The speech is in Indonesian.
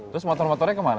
terus motor motornya kemana